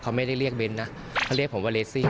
เขาไม่ได้เรียกเน้นนะเขาเรียกผมว่าเลสซี่